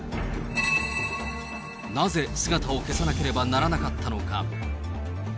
なぜ姿を消さなければならなかったのか。